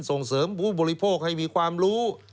ส่งเสริมผู้บริโภคให้มีความรู้